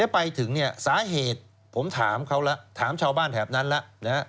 ไปถึงเนี่ยสาเหตุผมถามเขาแล้วถามชาวบ้านแถบนั้นแล้ว